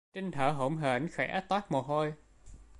Trinh thở hổn hển khẽ toát mồ hôi